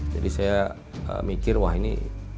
saya mikir wah ini